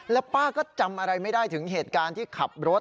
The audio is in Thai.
แล้วป้าก็จำอะไรไม่ได้ถึงเหตุการณ์ที่ขับรถ